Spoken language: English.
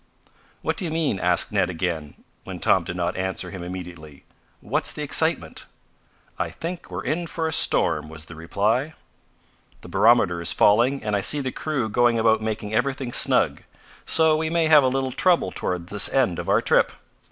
"What do you mean?" asked Ned again, when Tom did not answer him immediately. "What's the excitement?" "I think we're in for a storm," was the reply. "The barometer is falling and I see the crew going about making everything snug. So we may have a little trouble toward this end of our trip."